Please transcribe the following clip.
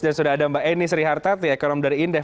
dan sudah ada mbak eni srihartat ekonom dari indef